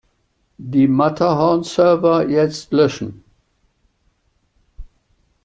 Die Matterhorn-Server jetzt löschen!